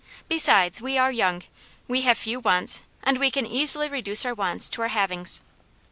"Besides, we are young, we have few wants, and we can easily reduce our wants to our havings."